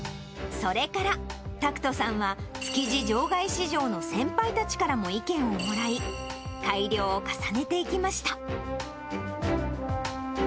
それから、拓人さんは築地場外市場の先輩たちからも意見をもらい、改良を重ねていきました。